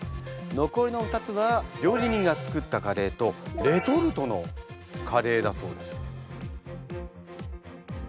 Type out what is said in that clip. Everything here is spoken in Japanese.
残りの２つは料理人が作ったカレーとレトルトのカレーだそうです。